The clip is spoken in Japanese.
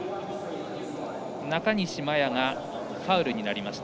中西麻耶がファウルになりました。